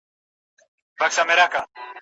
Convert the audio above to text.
مستي مو توبې کړې تقدیرونو ته به څه وایو